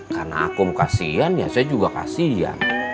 karena aku kasihan ya saya juga kasihan